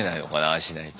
ああしないと。